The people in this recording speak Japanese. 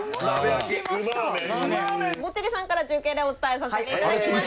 「ぼっちり」さんから中継でお伝えさせていただきました。